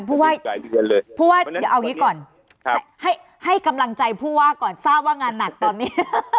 ผู้ว่าเดี๋ยวเอางี้ก่อนให้กำลังใจผู้ว่าก่อนทราบว่างานหนักตอนนี้